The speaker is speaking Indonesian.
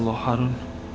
sabar pak harun